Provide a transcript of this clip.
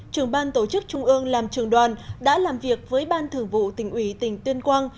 trưởng ban tổ chức trung ương làm trường đoàn đã làm việc với ban thường vụ tình ủy tình tuyên quang